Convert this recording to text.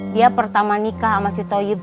dia pertama nikah sama si toyib